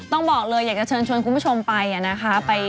ต้องบอกเลยอยากจะเชิญชวนคุณผู้ชมไป